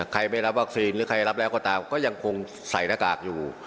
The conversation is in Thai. ใครไม่รับวัคซีนหรือใครรับแล้วก็ตามก็ยังคงใส่หน้ากากอยู่